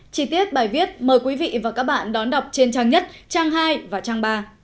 chi tiết bài viết mời quý vị và các bạn đón đọc trên trang nhất trang hai và trang ba